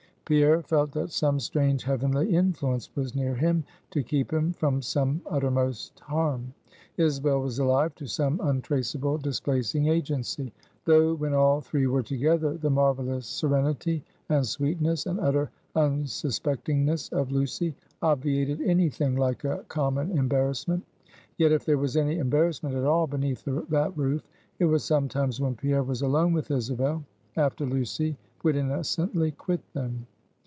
Pierre felt that some strange heavenly influence was near him, to keep him from some uttermost harm; Isabel was alive to some untraceable displacing agency. Though when all three were together, the marvelous serenity, and sweetness, and utter unsuspectingness of Lucy obviated any thing like a common embarrassment: yet if there was any embarrassment at all beneath that roof, it was sometimes when Pierre was alone with Isabel, after Lucy would innocently quit them.